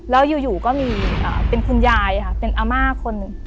แล้วยู่ก็มีเป็นคุณยายอะค่ะเป็นอาม่าคน